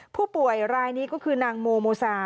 ผู้ป่วยรายนี้ก็คือนางโมโมซา